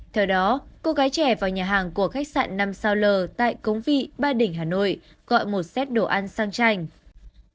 theo đó cô gái trẻ vào nhà hàng của khách sạn năm sao l tại cống vị ba đỉnh hà nội gọi một set đồ ăn sang tranh